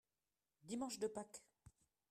dimanche de Pâques.